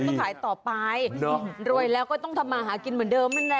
ก็ขายต่อไปรวยแล้วก็ต้องทำมาหากินเหมือนเดิมนั่นแหละ